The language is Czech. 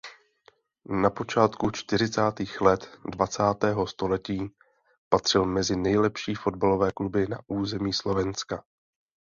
Na počátku čtyřicátých let dvacátého století patřil mezi nejlepší fotbalové kluby na území Slovenska.